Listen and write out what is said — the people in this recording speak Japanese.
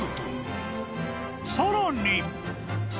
［さらに］